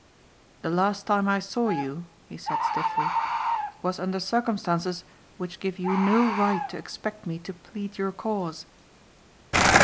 "The last time I saw you," he said stiffly, "was under circumstances which give you no right to expect me to plead your cause."